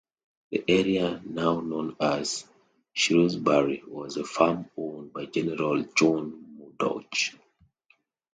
The area now known as Shrewsbury was a farm owned by General John Murdoch.